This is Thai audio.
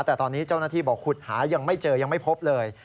แต่ตอนนี้เจ้าหน้าที่บอกขุดหายังไม่เจอยังไม่พบเลย